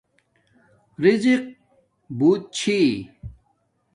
رزِق بوت چھی